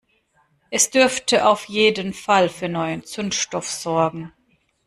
Es dürfte auf jeden Fall für neuen Zündstoff sorgen.